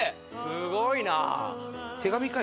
すごいな！